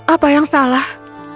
apa yang salah